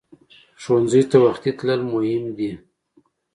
ښوونځی ته وختي تلل مهم دي